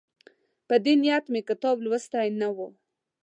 په دې نیت مې کتاب لوستی نه وو.